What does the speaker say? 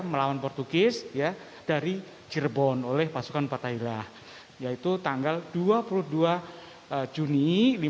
melawan portugis ya dari jerbon oleh pasukan fathahila yaitu tanggal dua puluh dua juni seribu lima ratus dua puluh tujuh